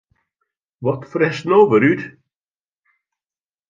Wat fretst no wer út?